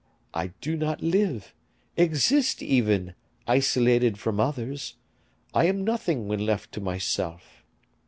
I do not live, exist even, isolated from others; I am nothing when left to myself.